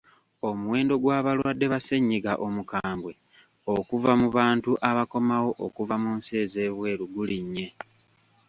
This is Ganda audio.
Omuwendo gw'abalwadde ba ssennyiga omukambwe okuva mu bantu abakomawo okuva mu nsi ez'ebweru gulinnye.